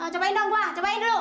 cobain dong gue cobain dulu